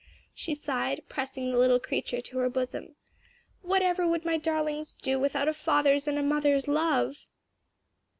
she sighed, pressing the little creature to her bosom, "whatever would my darlings do without a father's and a mother's love!"